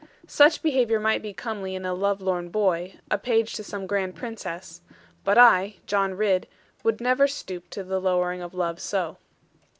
Such behaviour might be comely in a love lorn boy, a page to some grand princess; but I, John Ridd, would never stoop to the lowering of love so.